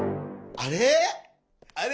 あれ？